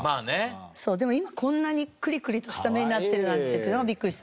でも今こんなにクリクリとした目になってるなんてっていうのがビックリした。